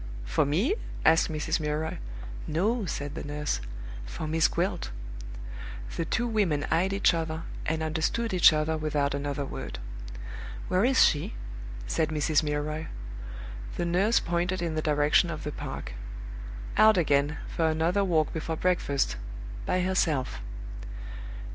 "For me?" asked Mrs. Milroy. "No!" said the nurse; "for Miss Gwilt." The two women eyed each other, and understood each other without another word. "Where is she?" said Mrs. Milroy. The nurse pointed in the direction of the park. "Out again, for another walk before breakfast by herself."